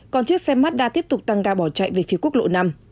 còn chiếc xe mazda tiếp tục tăng ga bỏ chạy về phía quốc lộ năm